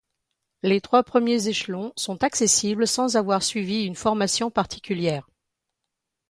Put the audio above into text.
Les trois premiers échelons sont accessibles sans avoir suivi une formation particulière.